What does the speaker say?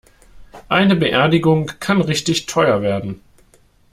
Eine Beerdigung kann richtig teuer werden.